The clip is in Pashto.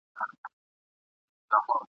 امان الله خان غوښتل چي هېواد پرمختګ وکړي.